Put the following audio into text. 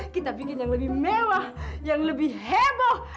kita bikin yang lebih mewah yang lebih heboh